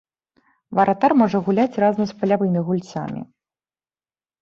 Варатар можа гуляць разам з палявымі гульцамі.